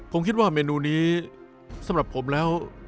ผมคิดว่าเมนูนี้สำหรับผมแล้ว